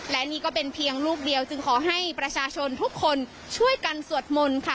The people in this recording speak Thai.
และนี่ก็เป็นเพียงลูกเดียวจึงขอให้ประชาชนทุกคนช่วยกันสวดมนต์ค่ะ